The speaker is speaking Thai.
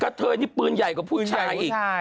เธอนี่ปืนใหญ่กว่าผู้ชายอีก